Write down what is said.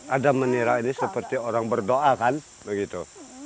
ada menira ini seperti orang berdoa kan begitu